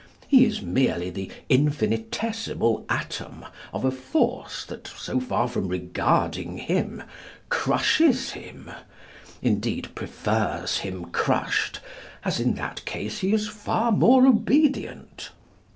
He is merely the infinitesimal atom of a force that, so far from regarding him, crushes him: indeed, prefers him crushed, as in that case he is far more obedient.